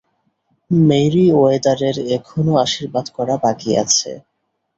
Mary ওয়েদারের এখনো আশীর্বাদ করা বাকি আছে।